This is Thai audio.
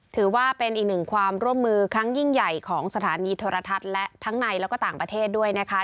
ถือว่าเป็นอีกหนึ่งความร่วมมือครั้งยิ่งใหญ่ของสถานีโทรทัศน์และทั้งในแล้วก็ต่างประเทศด้วยนะคะ